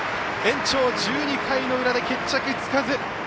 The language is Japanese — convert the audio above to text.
延長１２回の裏で決着つかず。